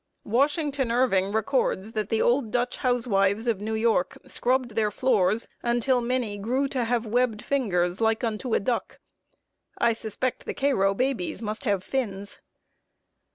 Washington Irving records that the old Dutch housewives of New York scrubbed their floors until many "grew to have webbed fingers, like unto a duck." I suspect the Cairo babies must have fins.